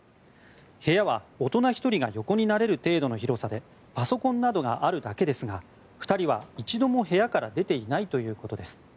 部屋は大人１人が横になれる程度の広さでパソコンなどがあるだけですが２人は一度も部屋から出ていないということです。